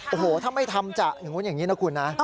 โอ้โหถ้าไม่ทำจ้ะอย่างนี้นะคุณนะ